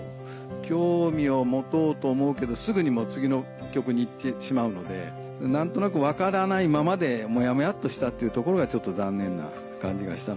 興味を持とうと思うけどすぐに次の曲に行ってしまうので何となく分からないままでモヤモヤっとしたっていうところがちょっと残念な感じがしたので。